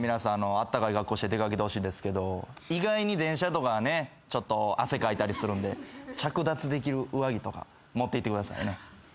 あったかい格好して出掛けてほしいんですけど意外に電車とかね汗かいたりするんで着脱できる上着とか持っていってくださいね。